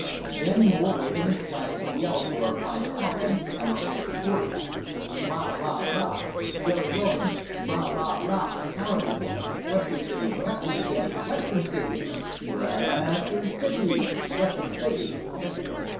Then more waving of flags, and yells for our prize captain and our agile quarter back: "Rah, rah, rah, Jerry Wilson! Rah, rah, rah, Harriman! Western City, Western City, Western City! W E S T E R N C I T Y! Western City!"